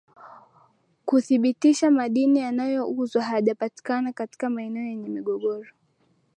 kuthibitisha madini wanayouza hajapatikana katika maeneo yenye migogoro